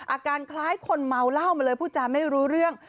อาการคล้ายคนเมาเหล้ามาเลยพูดจาไม่รู้เรื่อง